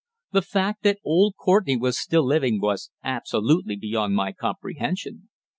The fact that old Courtenay was still living was absolutely beyond my comprehension.